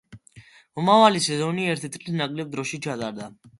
მომავალი სეზონი ერთი წლით ნაკლებ დროში ჩატარდა.